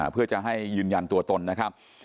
เพื่อจะให้ยืนยันตัวตนนะครับ